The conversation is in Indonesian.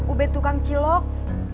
ubed tukang cilok